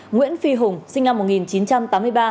nguyễn phi hùng sinh năm một nghìn chín trăm tám mươi ba